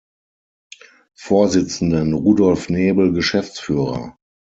Vorsitzenden Rudolf Nebel Geschäftsführer.